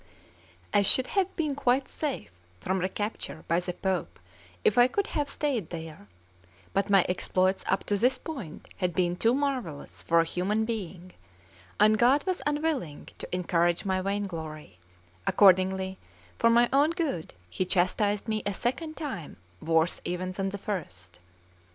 I should have been quite safe from recapture by the Pope if I could have stayed there; but my exploits up to this point had been too marvellous for a human being, and God was unwilling to encourage my vainglory; accordingly, for my own good, He chastised me a second time worse even than the first.